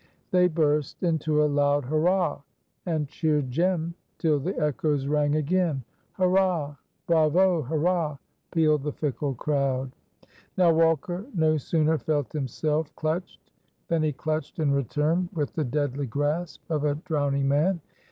They burst into a loud hurrah! and cheered Jem till the echoes rang again. "Hurrah! Bravo! Hurrah!" pealed the fickle crowd. Now Walker no sooner felt himself clutched than he clutched in return with the deadly grasp of a drowning man.